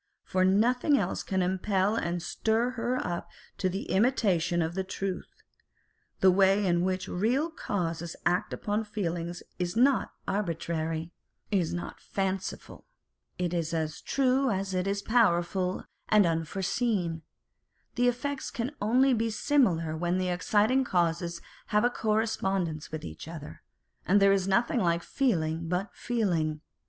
For nothing else can impel and stir her up to the imitation of the truth. The way in which real causes act upon the feelings is not arbitrary, is not fanciful ; it is as true as it is powerful and unfore seen ; the effects can only be similar when the exciting causes have a correspondence with each other, and there is nothing like feeling but feeling.